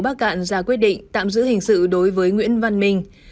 bạn ra quyết định tạm giữ hình sự đối với nguyễn văn minh